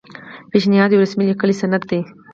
پیشنهاد یو رسمي لیکلی سند دی.